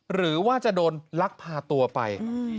หรือว่าจะโดนลักพาตัวไป